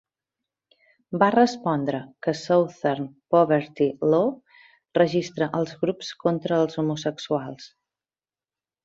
Va respondre que Southern Poverty Law registra els grups contra els homosexuals.